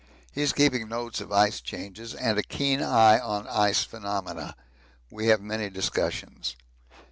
He is keeping notes of ice changes and a keen eye on ice phenomena; we have many discussions.